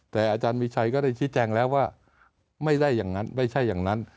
แต่อาจารย์มีชัยก็ได้ชี้แจงแล้วว่าไม่ได้อย่างนั้นไม่ใช่อย่างนั้น